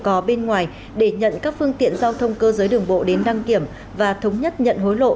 có bên ngoài để nhận các phương tiện giao thông cơ giới đường bộ đến đăng kiểm và thống nhất nhận hối lộ